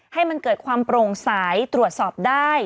ให้มันเกิดความโปร่งใสตรวจสอบได้